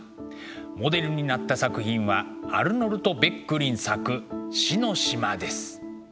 モデルになった作品はアルノルト・ベックリン作「死の島」です。